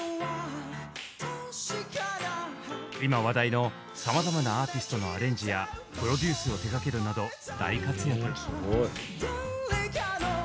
今話題のさまざまなアーティストのアレンジやプロデュースを手がけるなど大活躍。